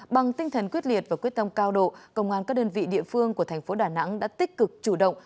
bằng tinh thần quyết liệt và quyết tâm cao độ công an các đơn vị địa phương của thành phố đà nẵng đã tích cực chủ động